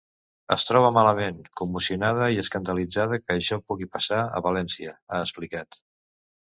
Es troba malament, commocionada i escandalitzada que això pugui passar a València, ha explicat.